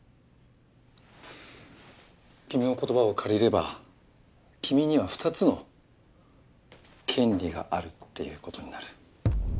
君の言葉を借りれば君には２つの権利があるっていう事になる。